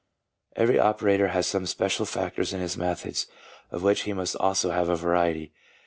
Every operator has some special factors in his methods, of which he must also have a variety.